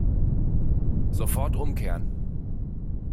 Sofort umkehren!